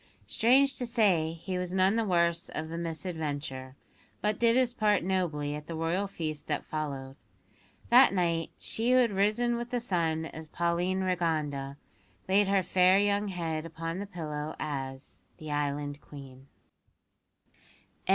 Strange to say, he was none the worse of the misadventure, but did his part nobly at the Royal feast that followed. That night she who had risen with the sun as Pauline Rigonda, laid her fair young head upon the pillow as the Island Queen.